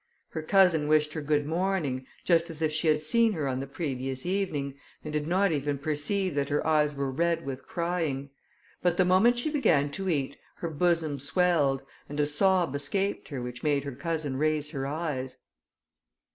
Her cousin wished her good morning, just as if she had seen her on the previous evening, and did not even perceive that her eyes were red with crying. But the moment she began to eat her bosom swelled, and a sob escaped her which made her cousin raise her eyes.